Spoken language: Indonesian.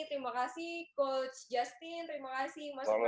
terima kasih coach justin terima kasih mas